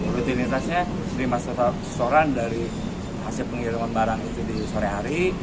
rutinitasnya terima setoran dari hasil pengiriman barang itu di sore hari